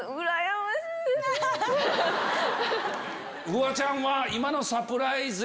フワちゃんは今のサプライズ